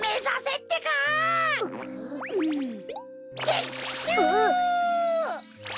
てっしゅう！